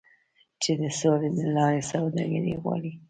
چین د سولې له لارې سوداګري غواړي.